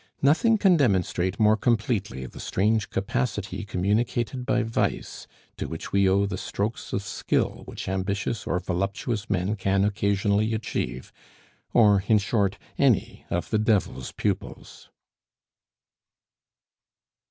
Nothing can demonstrate more completely the strange capacity communicated by vice, to which we owe the strokes of skill which ambitious or voluptuous men can occasionally achieve or, in short, any of the Devil's pupils.